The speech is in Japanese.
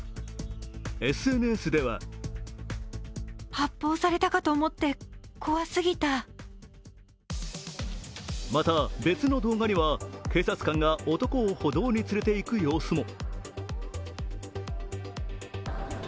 ＳＮＳではまた別の動画には警察官が男を歩道に連れて行く様子も。